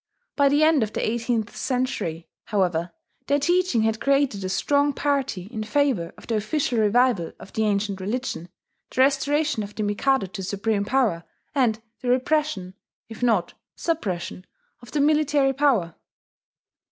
By the end of the eighteenth century, however, their teaching had created a strong party in favour of the official revival of the ancient religion, the restoration of the Mikado to supreme power, and the repression, if not suppression, of the military power.